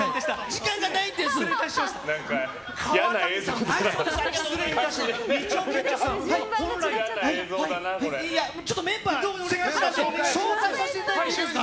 時間がないんです！